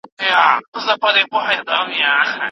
د الأحقاف سورت په{حم} شروع سوی دی.